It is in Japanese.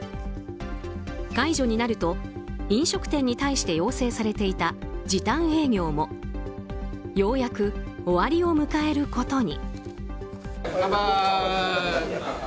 解除になると飲食店に対して要請されていた時短営業もようやく終わりを迎えることに。